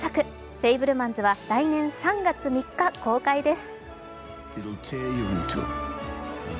「フェイブルマンズ」は来年３月３日、公開です。